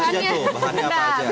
bahannya apa aja